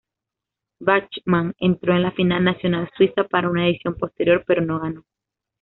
Bachmann entró en la final nacional Suiza para una edición posterior pero no ganó.